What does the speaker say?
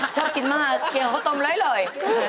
ชอบกินมากเคลียรของเขาตรงเล๋ยบเลย